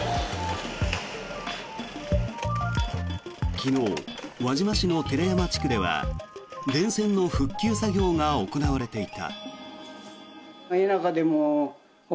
昨日、輪島市の寺山地区では電線の復旧作業が行われていた。